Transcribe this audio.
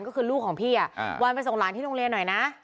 ก็คือลูกของพี่วันไปส่งหลานที่โรงเรียนหน่อยนะ